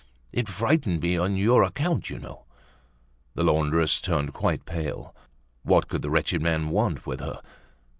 It frightened me on your account, you know." The laundress turned quite pale. What could the wretched man want with her?